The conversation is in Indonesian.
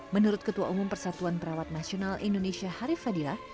menurut ketua umum persatuan perawat nasional indonesia harif fadilah